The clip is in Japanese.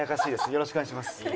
よろしくお願いします。